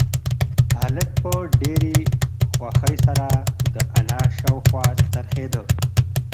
هلک په ډېرې خوښۍ سره د انا شاوخوا څرخېده.